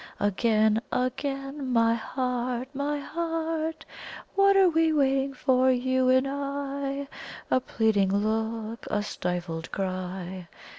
Again! again, my heart, my heart! What are we waiting for, you and I? A pleading look a stifled cry!